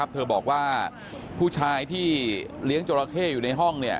เธอบอกว่าผู้ชายที่เลี้ยงจราเข้อยู่ในห้อง